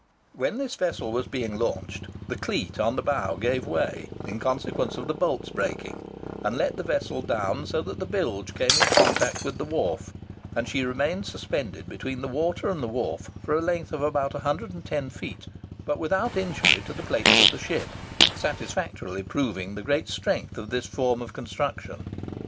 When this vessel was being launched, the cleet on the bow gave way, in consequence of the bolts breaking, and let the vessel down so that the bilge came in contact with the wharf, and she remained suspended between the water and the wharf for a length of about 110 feet, but without any injury to the plates of the ship; satisfactorily proving the great strength of this form of construction.